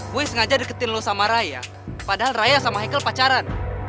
boy sengaja deketin lo sama raya padahal raya sama haikal pacaran